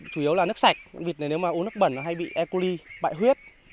chủ yếu là nước sạch vịt này nếu mà uống nước bẩn nó hay bị ecoli bại huyết